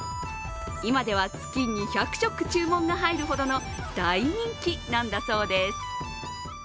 今では月２００食、注文が入るほどの大人気なんだそうです。